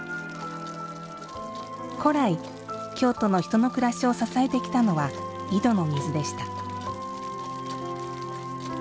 古来、京都の人の暮らしを支えてきたのは、井戸の水でした。